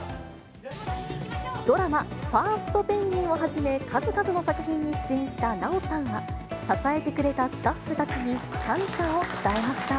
ドラマ、ファーストペンギン！をはじめ、数々の作品に出演した奈緒さんは、支えてくれたスタッフたちに感謝を伝えました。